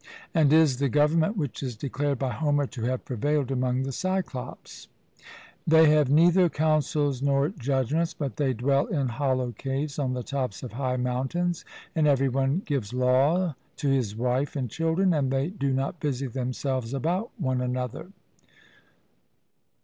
and is the government which is declared by Homer to have prevailed among the Cyclopes: 'They have neither councils nor judgments, but they dwell in hollow caves on the tops of high mountains, and every one gives law to his wife and children, and they do not busy themselves about one another.'